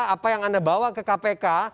apa yang anda bawa ke kpk